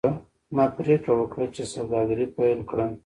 ما پریکړه وکړه چې سوداګري پیل کړم.